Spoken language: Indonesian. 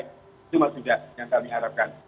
itu mas yuda yang kami harapkan